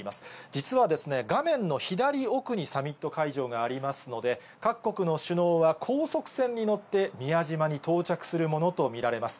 実はですね、画面の左奥にサミット会場がありますので、各国の首脳は高速船に乗って、宮島に到着するものと見られます。